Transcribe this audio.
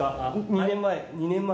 ２年前２年前